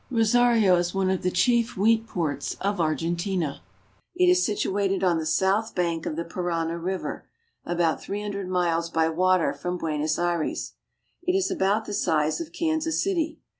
Rosario is one of the chief wheat ports of Argentina. It is situated on the south bank of the Parana river, about three hundred miles by water from Buenos Aires. It is of about the size of Kansas City.